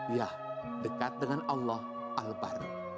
ya dekat dengan allah al bahru